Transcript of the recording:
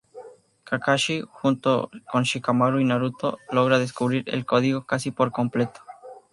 Kakashi, junto con Shikamaru y Naruto, logra descubrir el código casi por completo.